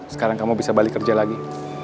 sekarang kamu bisa balik kerja lagi